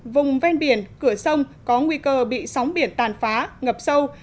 vùng ven biển cửa sông có nguy cơ bị sóng biển tàn phá ngập sâu